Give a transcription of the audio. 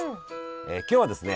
今日はですね